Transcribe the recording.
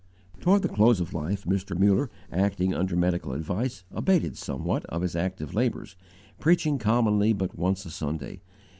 Toward the close of life Mr. Muller, acting under medical advice, abated somewhat of his active labours, preaching commonly but once a Sunday.